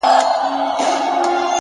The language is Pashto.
گرېـوانـونه به لانــــده كـــــــــړم’